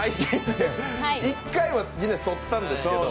１回はギネス取ったんですけどね。